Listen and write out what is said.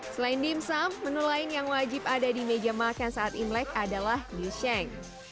selain dimsum menu lain yang wajib ada di meja makan saat imlek adalah yusheng